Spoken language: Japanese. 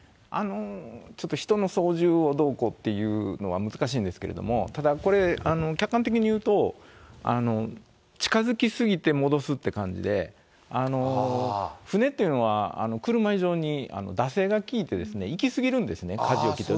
ちょっと人の操縦をどうこうっていうのは難しいんですけれども、ただ、これ客観的に言うと、近づき過ぎて戻すっていう感じで、船っていうのは、車以上に惰性がきいて、行き過ぎるんですね、かじを切って。